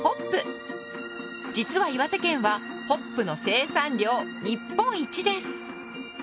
実は岩手県はホップの生産量日本一です。